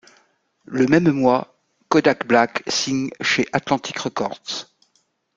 Le même mois, Kodak Black signe chez Atlantic Records.